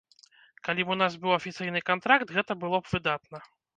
Калі б у нас быў афіцыйны кантракт, гэта было б выдатна!